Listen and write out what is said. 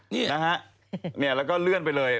นี่นะฮะแล้วก็เลื่อนไปเลย